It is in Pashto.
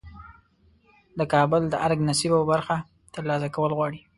د کابل د ارګ نصیب او برخه ترلاسه کول غواړي.